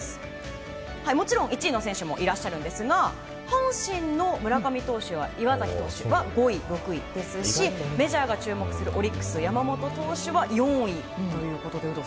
もちろん１位の選手もいらっしゃるんですが阪神の村上投手や岩崎投手は５位、６位ですしメジャーが注目するオリックス山本投手は４位。